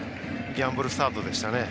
ギャンブルスタートでしたね。